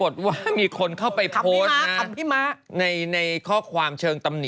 ถามจริง